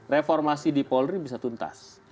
reformasi di polri bisa tuntas